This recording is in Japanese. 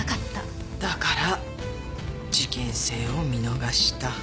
だから事件性を見逃した。